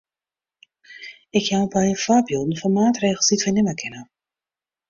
Ik jou in pear foarbylden fan maatregels dy't wy nimme kinne.